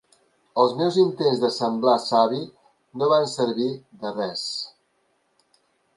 Els meus intents de semblar savi no van ser servir de res.